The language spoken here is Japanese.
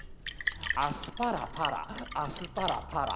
「アスパラパラアスパラパラ」